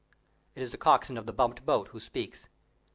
It is the coxswain of the bumped boat who speaks.